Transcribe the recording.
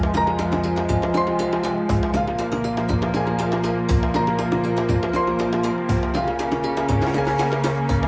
ก็ไม่รู้ว่าเกิดอะไรขึ้นข้างหลัง